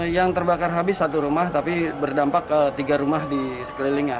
yang terbakar habis satu rumah tapi berdampak ke tiga rumah di sekelilingnya